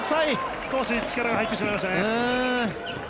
少し力が入ってしまいましたね。